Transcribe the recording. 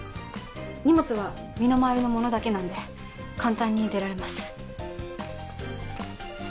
荷物は身の回りのものだけなんで簡単に出られます